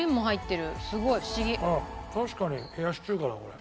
あっ確かに冷やし中華だこれ。